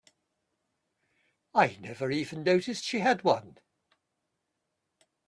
I never even noticed she had one.